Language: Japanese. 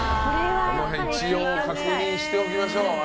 一応確認しておきましょう。